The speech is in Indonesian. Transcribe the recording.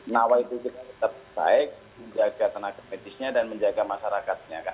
nah waktu itu kita tetap baik menjaga tenaga medisnya dan menjaga masyarakatnya